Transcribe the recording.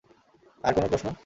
আর কোনো প্রশ্ন?